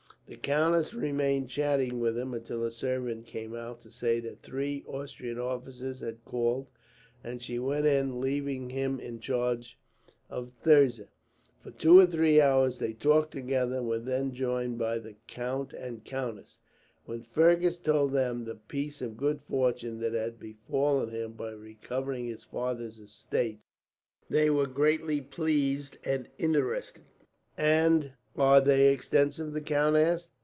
The countess remained chatting with him until a servant came out, to say that three Austrian officers had called; and she went in, leaving him to the charge of Thirza. For two or three hours they talked together, and were then joined by the count and countess; when Fergus told them the piece of good fortune that had befallen him, by recovering his father's estates. They were greatly pleased and interested. "And are they extensive?" the count asked.